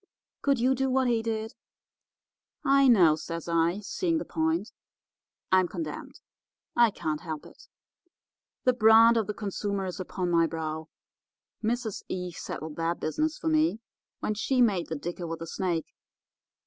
Could you do what he did?' "'I know,' says I, seeing the point, 'I'm condemned. I can't help it. The brand of the consumer is upon my brow. Mrs. Eve settled that business for me when she made the dicker with the snake.